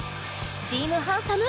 チーム・ハンサム！？